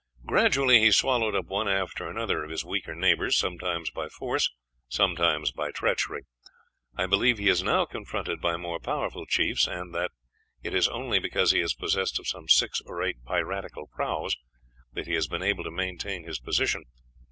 Gradually he swallowed up one after another of his weaker neighbors, sometimes by force, sometimes by treachery. I believe he is now confronted by more powerful chiefs, and that it is only because he is possessed of some six or eight piratical prahus that he has been able to maintain his position.